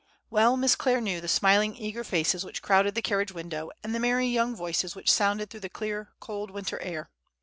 Well Miss Clare knew the smiling eager faces which crowded the carriage window, and the merry young voices which sounded through the clear cold winter air.